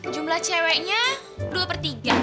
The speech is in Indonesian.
jumlah ceweknya dua per tiga